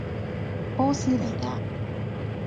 波斯尼亞